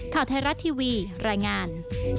ข่าวไทยรัฐทีวีรายงาน